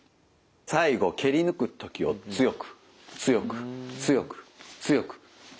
最後蹴り抜く時を強く強く強く強く強く。